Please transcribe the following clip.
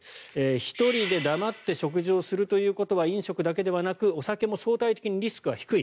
１人で黙って食事をするということは飲食だけではなくお酒も相対的にリスクは低い。